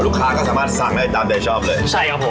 ลูกค้าก็สามารถสั่งได้สำหรับใช้ครับ